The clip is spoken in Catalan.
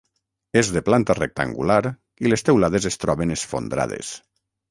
És de planta rectangular i les teulades es troben esfondrades.